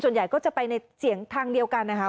ส่วนใหญ่ก็จะไปในเสียงทางเดียวกันนะคะ